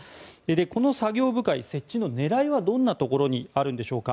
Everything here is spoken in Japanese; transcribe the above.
この作業部会設置の狙いはどんなところにあるんでしょうか。